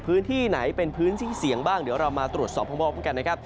พื้นที่ไหนเป็นพื้นที่เสี่ยงบ้างเดี๋ยวเรามาตรวจสอบพร้อมกันนะครับ